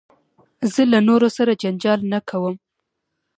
زه له نورو سره جنجال نه کوم.